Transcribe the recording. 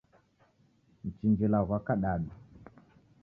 Mchinjila ghwa kadadu